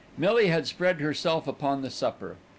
Millie had spread herself upon the supper.